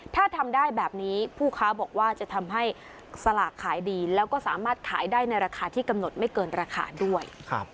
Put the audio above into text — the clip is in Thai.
ถ้าทำได้แบบนี้ผู้ค้าบอกว่าจะทำให้สลากขายดีแล้วก็สามารถขายได้ในราคาที่กำหนดไม่เกินราคาด้วย